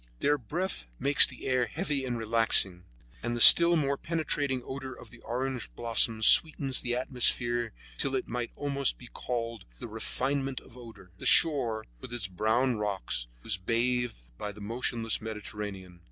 Their breath makes the air heavy and relaxing, and the still more penetrating odor of the orange blossoms sweetens the atmosphere till it might almost be called the refinement of odor. The shore, with its brown rocks, was bathed by the motionless Mediterranean.